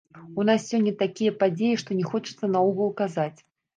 У нас сёння такія падзеі, што не хочацца наогул казаць.